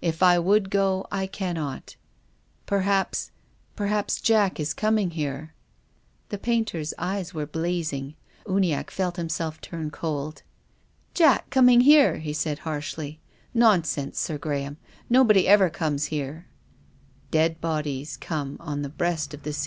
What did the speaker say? If I would go, I cannot. Perhaps — perhaps Jack is coming here." The painter's eyes were blazing. Uniacke felt himself turn cold. " Jack coming here !" he said harshly. " Non sense, Sir Graham. Nobody ever comes here." " Dead bodies come on the breast of the sea."